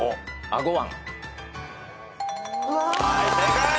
はい正解。